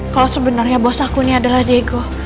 kalo sebenernya bos aku ini adalah diego